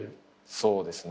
そうですね。